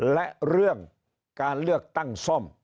และเรื่องการเลือกตั้งซ่อม